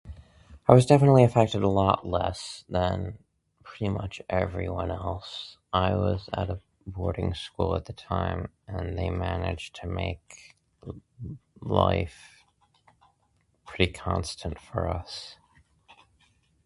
I was definitely affected a lot less than pretty much everyone else. I was at a boarding school at the time, and they managed to make life pretty constant for us.